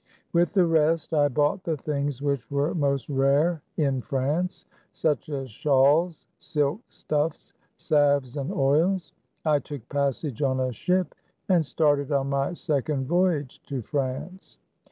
With the rest, I bought the things which were most rare in France ; such as shawls, silk stuffs, salves and oils. I took passage on a ship and started on my second voyage to France.